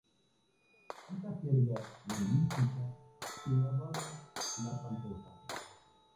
Esta jerga lingüística se llamaba "la pantoja".